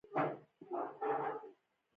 اوس په کوټه کې د بېرته تګ په انتظار یو.